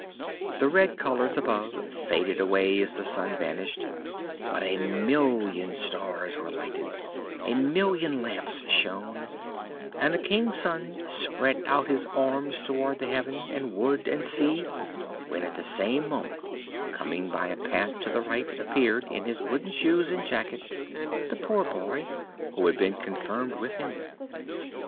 The red colors above faded away as the sun vanished, but a million stars were lighted, a million lamps shone; and the King's Son spread out his arms towards heaven, and wood, and sea; when at the same moment, coming by a path to the right, appeared, in his wooden shoes and jacket, the poor boy who had been confirmed with him.